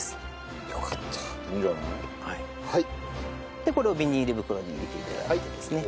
でこれをビニール袋に入れて頂いてですね。